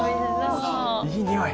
いい匂い。